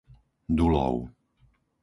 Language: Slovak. Dulov